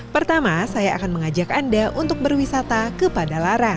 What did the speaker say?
pertama saya akan mengajak anda untuk berwisata ke padalarang